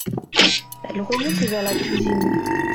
Elle remonte vers la cuisine.